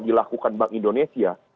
dilakukan bank indonesia